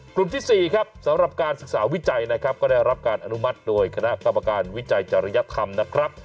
กลุ่มที่๔ครับสำหรับการศึกษาวิจัยนะครับก็ได้รับการอนุมัติโดยคณะกรรมการวิจัยจริยธรรมนะครับ